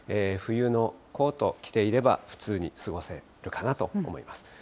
冬のコート着ていれば普通に過ごせるかなと思います。